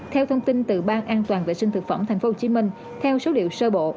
theo thông tin từ ban an toàn vệ sinh thực phẩm tp hcm theo số liệu sơ bộ